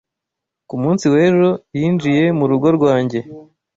Ku munsi w'ejo, yinjiye mu rugo rwanjye.